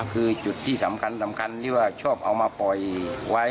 คือจุดที่สำคัญที่ว่าชอบเอามาปล่อยไว้